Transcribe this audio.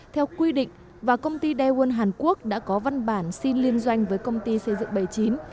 theo quy định và công ty daewon hàn quốc đã có văn bản xin liên doanh với công ty xây dựng bảy mươi chín